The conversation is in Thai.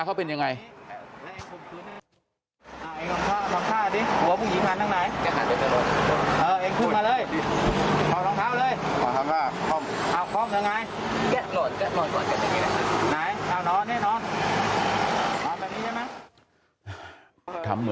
กลับไปลองกลับ